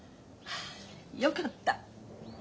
よかった。